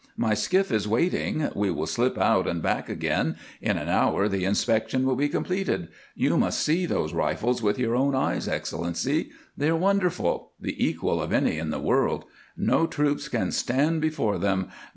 My skiff is waiting; we will slip out and back again in an hour the inspection will be completed. You must see those rifles with your own eyes, Excellency. They are wonderful the equal of any in the world; no troops can stand before them.